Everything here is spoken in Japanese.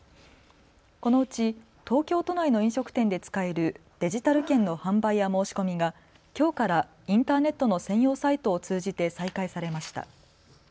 このうち東京都内の飲食店で使えるデジタル券の販売や申し込みがきょうからインターネットの専用サイトを通じて再開されました。